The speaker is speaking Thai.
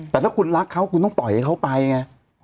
แต่ถ้าคุณรักเขาคุณต้องปล่อยให้เขาไปไง